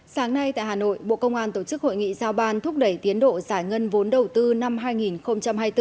sáng nay tại hà nội bộ công an tổ chức hội nghị giao ban thúc đẩy tiến độ giải ngân vốn đầu tư năm hai nghìn hai mươi bốn